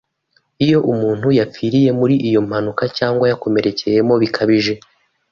Iyo umuntu yapfiriye muri iyo mpanuka cyangwa yakomerekeyemo bikabije